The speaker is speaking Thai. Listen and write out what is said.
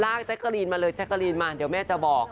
แจ๊กกะรีนมาเลยแจ๊กกะลีนมาเดี๋ยวแม่จะบอก